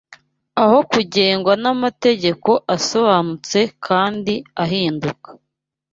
aho kugengwa n’amategeko asobanutse kandi adahinduka.